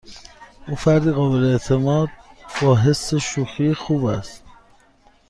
او فردی قابل اعتماد با حس شوخی خوب است.